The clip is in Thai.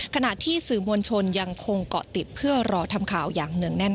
ขณะที่สื่อมวลชนยังคงเกาะติดเพื่อรอทำข่าวอย่างเนื่องแน่น